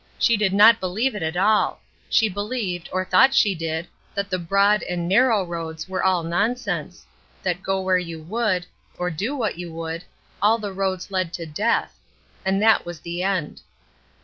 She did not believe it at all; she believed, or thought she did, that the "broad" and "narrow" roads were all nonsense; that go where you would, or do what you would, all the roads led to death; and that was the end.